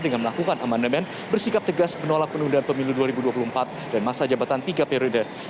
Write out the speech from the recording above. dengan melakukan amandemen bersikap tegas dan berhubungan dengan perusahaan